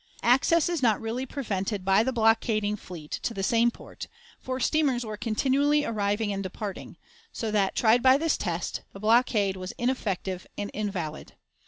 "Access is not really prevented" by the blockading fleet to the same port; for steamers were continually arriving and departing, so that, tried by this test, the blockade was ineffective and invalid.